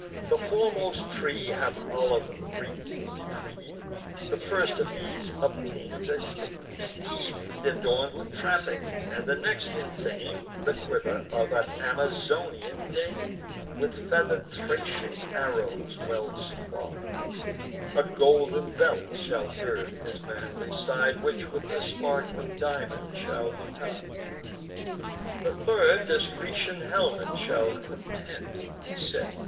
The foremost three have olive wreaths decreed: The first of these obtains a stately steed, Adorn'd with trappings; and the next in fame, The quiver of an Amazonian dame, With feather'd Thracian arrows well supplied: A golden belt shall gird his manly side, Which with a sparkling diamond shall be tied. The third this Grecian helmet shall content." He said.